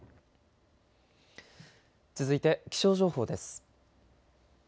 続いて気象情報です。